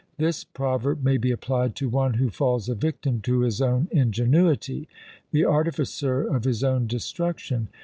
This proverb may be applied to one who falls a victim to his own ingenuity; the artificer of his own destruction!